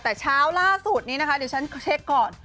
แต่เช้าล่าสุดนี้นะคะเดี๋ยวฉันเช็คก่อน